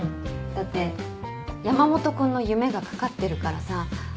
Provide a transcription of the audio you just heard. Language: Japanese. だって山本君の夢が懸かってるからさ。